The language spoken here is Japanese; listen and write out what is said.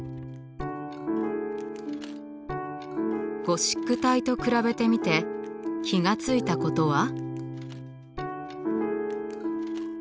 ゴシック体と比べてみて気が付いたことは？